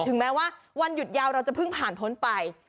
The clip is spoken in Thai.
แม้ว่าวันหยุดยาวเราจะเพิ่งผ่านพ้นไป